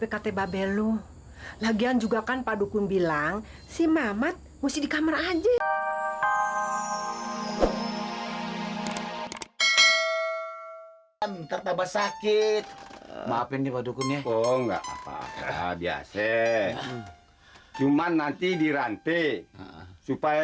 sampai jumpa di video selanjutnya